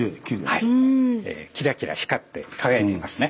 キラキラ光って輝いていますね。